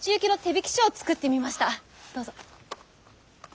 どうぞ。